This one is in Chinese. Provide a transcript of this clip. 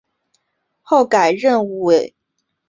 后改任国务院发展研究中心欧亚社会发展研究所所长。